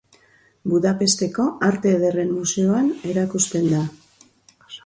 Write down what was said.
Budapesteko Arte Ederren Museoan erakusten da.